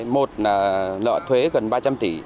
một là lợi thuế gần ba trăm linh tỷ